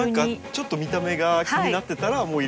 ちょっと見た目が気になってたらもう入れ替えれば。